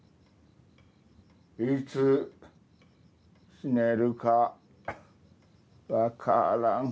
いつ死ねるかわからん。